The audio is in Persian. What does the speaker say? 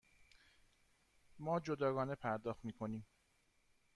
ما جداگانه پرداخت می کنیم.